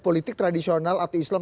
politik tradisional atau islam